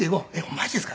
「マジですか？」。